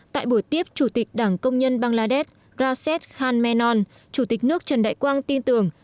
tại buổi tiếp chủ tịch đảng công nhân bangladesh raset khanmenon chủ tịch nước trần đại quang tin tưởng